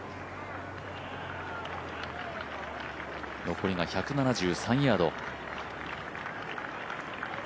残りが１７３ヤード。